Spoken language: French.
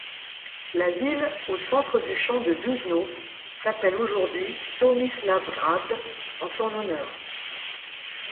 La ville au centre du champ de Duvno s'appelle aujourd'hui Tomislavgrad en son honneur.